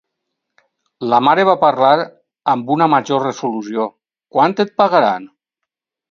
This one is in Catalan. La mare va parlar amb una major resolució, quant et pagaran?